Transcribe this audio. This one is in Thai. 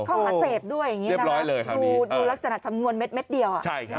ข้อหาเสพด้วยอย่างนี้ดูลักษณะจำนวนเม็ดเดียว